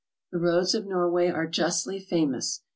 The roads of Norway are justly famous.